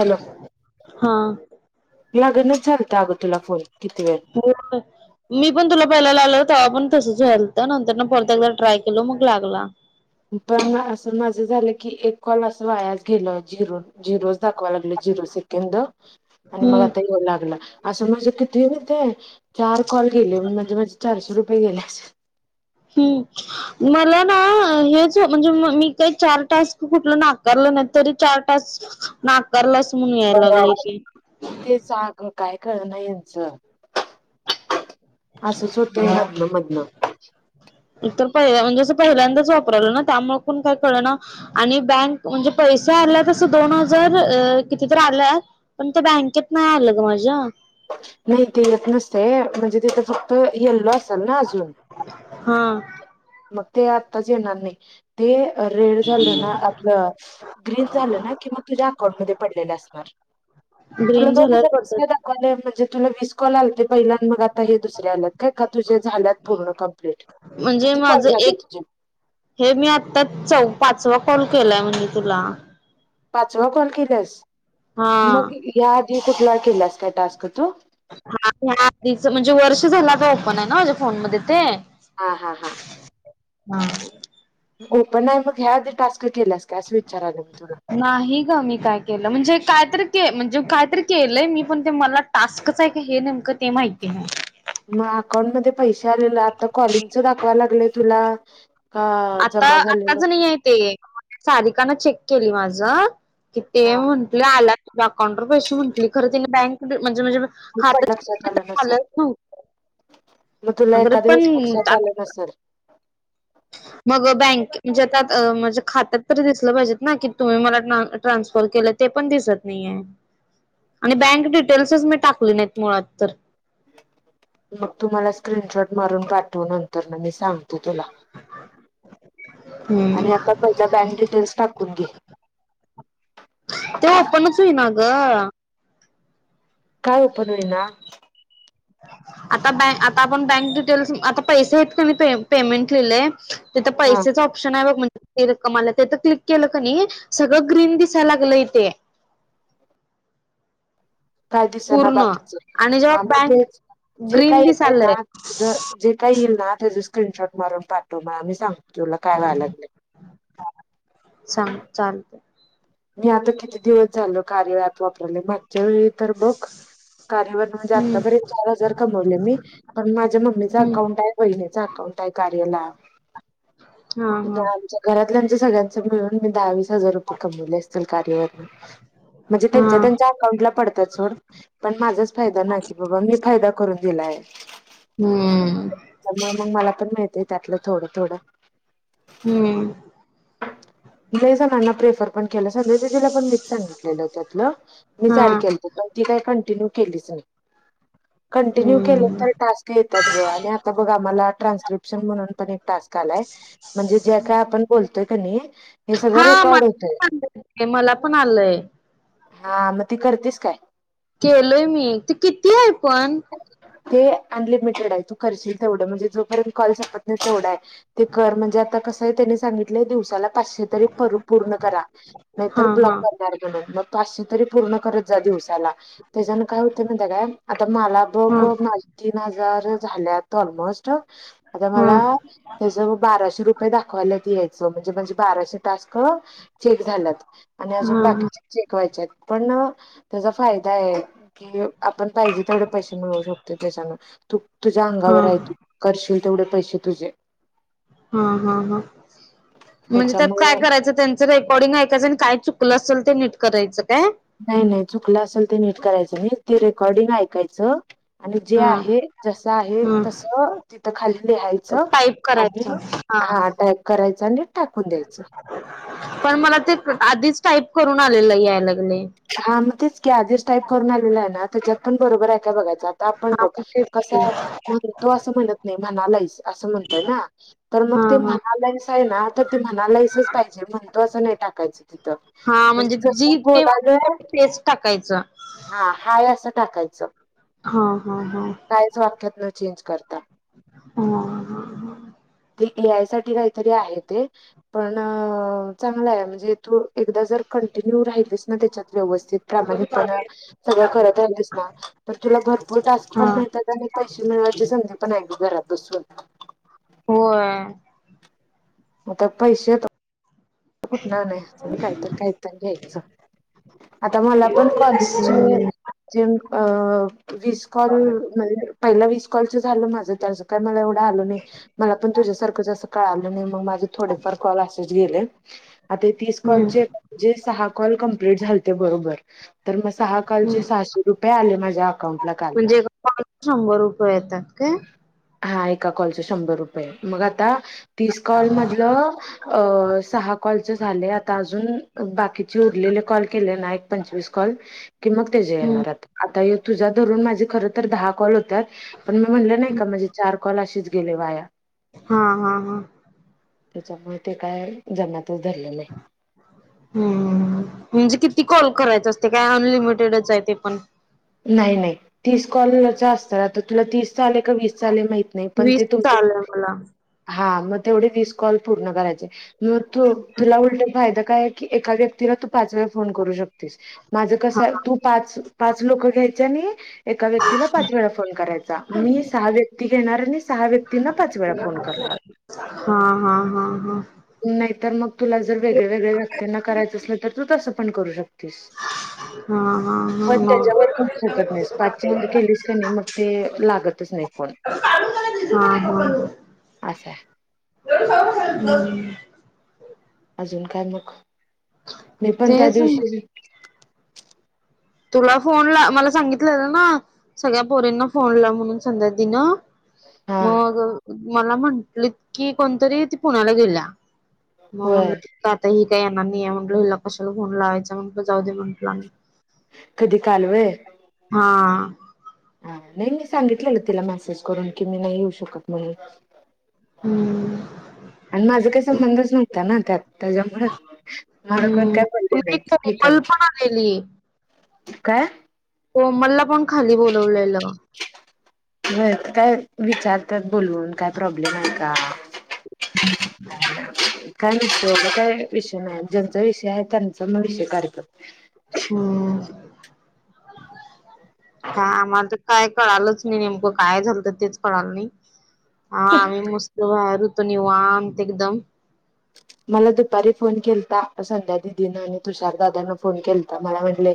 Hello हा लगेच चालत अगं तुला फोन किती वेळ हो मी पण तुला पहायला आल तेव्हा पण तसंच वल्तं नंतर ना परत एकदा ट्राय केल मग लागला पण असं माझं झालं की एक कॉल असं वायास गेल झिरो झिरो दाखवा लागलं जिरो सेकंद आणि मग हम्म आता येऊ लागला असं माझे किती म ते चार कॉल गेले म्हणजे माझे चारशे रुपये गेले हम्म मला ना हेच म्हणजे मी काही चार टास्क कुठ नाकारलं नाही तरी चार टास् नाकारलाच म्हून याय लागलंय ते ते जाग काय कळण यांचं असंच होतं लगन मधन तर पहिल्या म्हणजे जं पहिल्यांदाच वापरालं ना त्यामुळे पण काय कळलं ना आणि बँक म्हणजे पैसे आला तस दोन हजार कितीतरी आलाय पण त्या बँकेत नाही आलं ग माझ्या नाही ते येत नसते म्हणजे तिथ फक्त येल्लो असत ल ना अजून हा मग ते आत्ताच येणार नाही ते रेड झालं ना आपलं ग्रीन झालं ना कि मग तुझ्या अकाउंट मध्ये पडलेले असणार तुला ग्रीन दो झाल्यावर पडतात ले म्हणजे तुला मिस कॉल आल पहिल्या मग आता हे दुसरे आल्यात काय का तुझे झाल्यात पूण कम्प्लीट म्हणजे किती कॉल माझं झाले एक तुझे हे मी आत्ता चौ पाचवा कॉल केलाय म्हणजे तुला पाचवा कॉल केलास हा मग या आधी कुठला केलास काय टास्क तू हा ह आधीच म्हणजे वर्ष झाला का ओपन आहे ना माझ्या फोन मध्ये ते हा हा हा हा पण नाही मग ह्या अधी टास्क केलास काय असं विचार आलं मी तुला नाही ग मी काय केलं म्हणजे कायतरी के म्हणजे कायतरी केलंय मी पण ते मला टास्कच आहे का हे नेमकं ते माहिती आहे मग अकाउंटमध्येध्ये पैसे आलेले आता कॉलिंगच दाखवाय लागलंय तुला का आता जमा झालेलं आताच नाही आहे ते सधिकाना चेक केली माझं की ते हा म्ह त आला त अकाउंटर पैसे म्हटली खर तिने बँक म्हणजे म्हणजे खातलं ना मत ला एक क अधवीस ल आता शाताल ना सर ग बँके म्हणजे त्या म्हज्या खात्यात तरी दिसलं पाहिजे ना की तुम्ही मला ट्रान्सफर केलं ते पण दिसत नाही आहे आणि बँक डिटेल्सच मी टाकली नाहीत मुळात तर मग तुम्हाला स्क्रीनशॉट मरून पाठवू नंतर ना मी सांगते तुला हम्म आणि आता पहिल्या बँक डिटेल्स टाकून घे तेव्हा ओपनच होईना ग काय ओपनवीना आता बँ आता आपण बँक डिटेल्स आता पैसे आहेत क मी पेमेंट लले तिथ हा पैसेच ऑप्शन आहे बघ म्हणजे रक्कमला ते तर क्लिक केलं का नाही सगळं ग्रीन दिसायला लागलं इथे काय दिसना पूर्ण बाकीच आणि जेव्हा ह म्हणजे बँक जे काय ग्रीन येत आहे ना दिसालय तु ज जे काय येईल ना त्याचे स्क्रीनशॉट मारून पाठू म आम्ही सांगो तुला काय वय लागल सांग चालत मी आता किती दिवस झालो कार्य ऍप वापरले माझ्या वेळी तर मग कार्य म्हणजे हम्म आतापर्यंत चार हजार कमवले मी पण माझ्या मम्मीचा हम्म अकाउंट आहे महिन्याचा अकाउंट आहे कार्याल हा हा आमच्या घरातल्या आमच्या सगळ्यांच मिळून मी दहावीस हजार रुपये कमवले कार म्हणजे त्यां हा त्यां अकाउंट ला पडतात सोड पण माझाच फायदा नाही की बाबा मी फायदा करून दिलाय हम्म मग मग मला पण मिळतेय त्यातलं थोडं थोडं हम्म जस न प्रेफर ण के सज दिला पण मीच सांगितलेलं त्यातलं हा मीच ॅड केलं ती काय कंटिन्यू केलीच नाही कंटिन्यू केले हम्म तर टास्क येतात बघ आणि आता बघा आम्हाला ट्रान्स्क्रिप्शन म्हणून पण एक टास्क आलाय म्हणजे ज्या काय आपण बोलतोय क हे सगळ हा मला रेकॉर्ड पण होतय आलंय ते, मला पण आलंय हा मग ती करतेस काय केलोय मी तर किती आहे पण ते अनलिमिटेड आहे तू करशील तेवढं म्हणजे जोपर्यंत कॉल संपत नाही तेवढं आहे ते कर म्हणजे आता कसं आहे त्यानी सांगितलंय दिवसाला पाचश तरी पूर्ण करा हा नाहीर हा ब्लॉक प काय आता मला बघ हा माझ तीन हजार झालेत ऑलमोस्ट आता हा मला त्याच बाराशे रुपये दाखवायला यायचं म्हणजे म्हणजे बाराशे टास्क ठीक झालंत आणि अजून हा बाकीचे शिकवायच्या पण त्याचा फायदा आहे की आपण पाहिजे तेवढे पैसे मिळवू शकते त्याच्यान तू तुझ्या हा अंगावर आहे करशील तेवढे पैसे तुझे हा हा ह म्हणजे त्यात त्याच्यामुळ काय करायचं त्यांच रेकॉर्डिंग कायच आणि काय चुकलं असेल ते नीट करायचं काय नाही नाही चुकलं असेल ते नीट करायचं मी ते रेकॉर्डिंग ऐकायचं आणि जे हा आहे जसं आहे ह तस तिथं खाली लिहायचं टाईप आणि करायचं हा टाईप करायच आणि टाकून द्यायचं पण मला ते आधीच टाईप करून आलेलं याय लागले हां मग तेच की आधीच टाईप करून आलेला आहे ना त्याच्यात पण बरोबर आहे का बघायच आता आपण हा बघ मग तेच की कसय म्हण तो असं म्हणत नाही म्हणाला असं म्हणतय ना तर मग हा ते हा म्हनालाईस आहे ना तर ते म्हनालाईसच पाहिजे म्हणतो असं नाही टाकायचं तिथं हा म्हणजे जस जी ते बला पेस्ट टाकायचं हा हाय असं टाकायचं हा हा हा काहीच वाक्यात न चेंज करता हो ते ए आय साठी काहीतरी आहे ते पण चांगला आहे म्हणजे तू एकदा जर कंटिन्यू राहिलीस ना त्याच्यात व्यवस्थित प्रामाणिकपणा सगळं करता ये दिस ना तर तुला भरपूर टास्क हा पण मिळतात त्यां पैसे मिळावायची संधी पण आहे घरात बसून होय म पैसे येत कुठ नाही तुम्ही काहीतरी काही घ्यायचं आता मला पण कॉलेजचे जे वीस कॉल म्हणजे पहिला वीस कॉलच झालं माझं त्याचं काय मला एवढ मला पण तुझ्यासारखंं कळा नाही मग माझे थोडेफार कॉल असेच गेले तीस कॉल हम्म सहा कॉल कंप्लीट झा बबर म सहा कालचे हम्म सहाशे रुपये आले माझ्या अकाउंटला काल म्हणजे एका कॉलला शंभर रुपये येतात काय हा एका कॉलच शंभर रुपये मग आता तीस कॉल मधलं अ सहा कॉलच झाले आता अजून बाकीचे उरलेले कॉल ना एक पंचवीस कॉल की मग तेे हम्म येणारता आता तुझ्या धरून माझे खर तर दहा कॉल होतात पण मी म्हणलं नाही का माझे चार कलाशीच गेले वाया हा हा हा त्याच्यामुळे ते काय जमतच धरले नाही हम् म्हणजे किती कॉल करायच असते काय अनलिमिटेडच आहे ते पण नाही नाही तीस कॉलच असत आता तुला तीस चा आलेय का वीस मा नाही पण वीस ते तुम चाललंय मला हा मग तेवढे विस कॉल पूर्ण करायचे मग तू तुला उल फायदा काय की एका व्यक्तीला तू पाच वेळा फोन करू शकत माझं कस तू पाच पाच लोक घ्यायच्या आणि एका व्यक्तीला पाच वेळा फोन करायचा मी सहा व्यक्ती घेणार आणि सहा व्यक्तींना पाच वेळा फ फोन करणार हा हा हा हा नाहीर मग तुला जर वेग्या वेगळ्या व्यक्तींना करायचं असल तर तू तसं पण करू शकतेस हम् पण त्याच्यावर खू शकत नाहीस पाचच्या व केलीस का नाही मग ते लागतच नाही फोन हा ह अस अस ए अजून काय मग मी पण त्या तेच ना. दिवशी तुला फोन ला मला सांगितलं ना सगळ्या पोरींना फोन ला म्हणून संध्या दिन हा मग मला म्हटले कि कोणतरी त पुण्याला गेल्या मग होय म्हटलं आता ही काय येणार नाही आहे म्हटलं हिला कशाला घोन लावायचं म्हंटलं जाऊ दे म्हंटलं कधी कालवय हा हा नाही मी सांगितलेलं तिला मेसेज करून कि मी नाही येऊ शकत म्हणून हम्म आणि माझा काही संबंधच नव्हता ना त्यात त्याच्यामुळे मला कोण हम्म काय पडले नाही ठीक आहे कोमल पण आलेली म काय हो मला पण खाली बोलवलेलं. ब काय विचारतात बोलवून काय प्रॉब्लेम आहे का? काय विषय काय विषय नाही ज्यांचा विषय आहे त्यांचा मग विषय काढला हम्म ह आम्हा काय कळालच नाही नेमकं काय झालं तर तेच कळालं नाही आम्ही मस्त बाहेर त निवांत एकदम मला दुपारी फोन केलाता संध्या दिदीनं आणि तुषारदादाना फोन केलता मला म्हटले. ह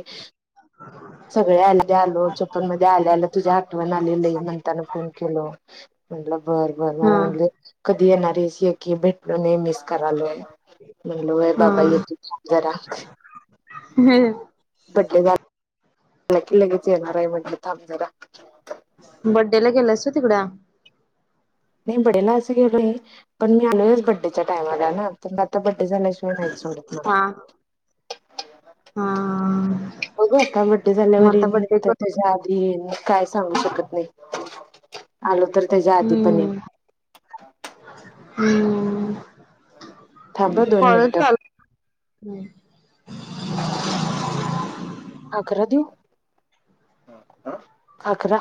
सगळे आले आलो चप्पन मध्ये आले आलं तुझ्या आठवण आलेलं आहे म्हणताना फोन केलं म्हटलं बरं बरं मला हा म्हटले कधी येणार स आहे की भेटल नाही मिस करायलय. म्हणलो आहे बाबा हा येेत जरा पटले झा क की लगेच येणार आहे म्हणलं थांब जरा बड्डे ला गेल अस तिकडा नाही बडेला असं गे पण मी आलोयच बड बडेच्या टाइमला ना तर मग आता बड्डे झाल्याशिय नाही सोडत मला हा हा हो कबड्डी मग आता बड्डे झाल्यावररेनेत कर आधी काय सांगू शकत नाही आलो तर त्याच्या आधी पण हम् थांब हं दोन कण मिनिटं. चाल ह अकरा देऊ? अकरा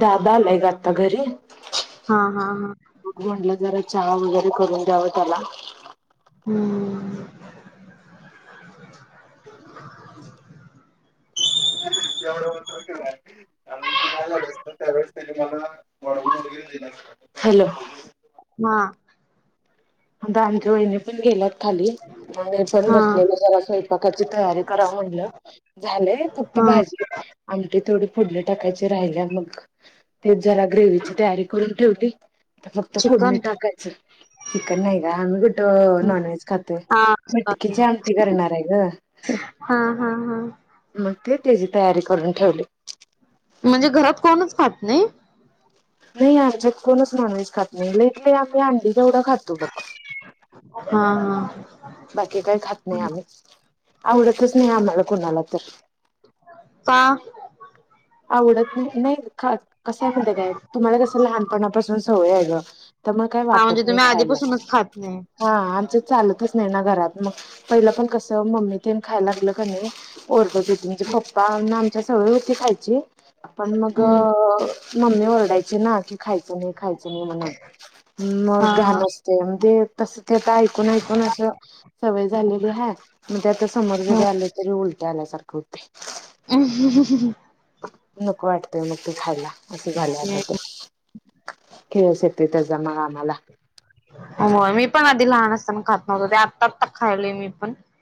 दादा आलाय गं आता घरी हा हा हा जरा चहा वगैरे करून द्यावं त्याला हम्म एवढं म कारणी काय झालं अस त्यावेळेस त्यांनी मला वळ वगैरे दि हॅलो हा आता आमच्या वहिनी पण गेलात. खाली मग मी पण हा बसलेलं जरा स्वयंपाकाची तयारी करा म्हणलं. झालेय फक्त हा भाजी आमटी थोडी फोडले टाकायची राहिल्या मग तेच जरा ग्रेव्ही ची तयारी करून ठेवते फक्त फोडणी चिकन टाकायचं. चिकन नाही का आमही कुठं नॉन व्हेज खातोय. हा हा मटकीची आमटी करणार आहे गं. हम हा हम मग ते त्याची तयारी करून ठेवली. म्हणजे घरात कोणच खात नाही नाही आमच्यात कोणच नॉनव्हेज खात नाही लईत लई आम्ही अंडी तेवढं खातो बघ हा हा बाकी काही खात नाही आम्ही आवडतच नाही आम्हाला कोणाला तर का आवडत नाही नाही कसय माहित आहे काय तुम्हाला कसं लहानपणापासून सवय आहे ग त्यामुळे काय हा वाटत म्हणजे नाही तुम्ही खायला. आधीपासूनच खात नाही हा आमच चालतच नाही ना घरात मग पहिलं पण कसं मम्मी ते खायला लागलं का नाही. होती म्हजे पप्पा आमच्या सगळे होते खायची आपण मग हम्म मम्मी ओरडायचे ना कि खायचं नाही खायचं नाही म्हणून मग हा घाण हा ते म्ह तस ते ऐकून ऐकून असं सवय झालेली ह म्हणज आता समोर जरी आलं तरी उलट्या आल्यासारखं होठे ह ह ह ह नक वाटतय मग तेू खयला असे झाले आता ते खळ शेत त्या जमा आम्हाला मी पण आधी लहान असताना खात नव्हतो ते आत्ता आता खायले मी पण